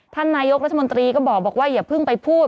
ท่านนายกรัฐมนตรีก็บอกว่าอย่าเพิ่งไปพูด